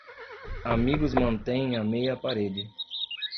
Amigos mantêm a meia parede.